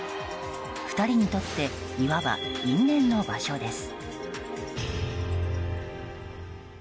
２人にとっていわば、因縁の場所です。